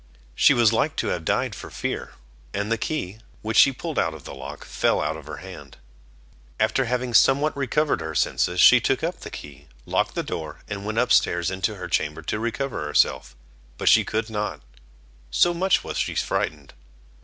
She was like to have died for fear, and the key, which she pulled out of the lock, fell out of her hand. After having somewhat recovered her senses, she took up the key, locked the door, and went up stairs into her chamber to recover herself; but she could not, so much was she frightened.